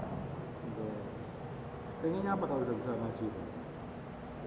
pengennya apa kalau sudah bisa ngaji